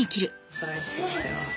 スライスをのせます。